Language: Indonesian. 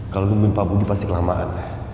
kalau memimpin pak budi pasti kelamaan